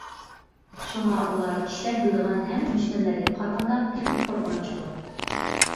شۇڭا ئۇلار كىشىلەر بىلىدىغان ھەممە دۈشمەنلەرگە قارىغاندا تېخىمۇ قورقۇنچلۇق.